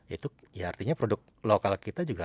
itu ya artinya produk lokal kita juga